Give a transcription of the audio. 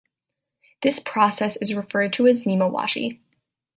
This process is referred to as "nemawashi".